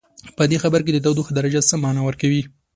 په دې خبر کې د تودوخې درجه څه معنا ورکوي؟